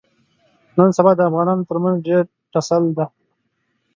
نن سبا د افغانانو ترمنځ ډېر ټسل دی.